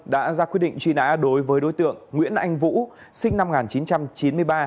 đã ra quyết định truy nã đối với đối tượng nguyễn anh vũ sinh năm một nghìn chín trăm chín mươi ba